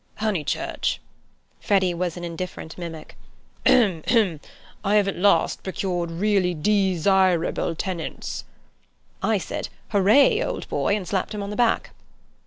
Honeychurch,'"—Freddy was an indifferent mimic—"'ahem! ahem! I have at last procured really dee sire rebel tenants.' I said, 'ooray, old boy!' and slapped him on the back."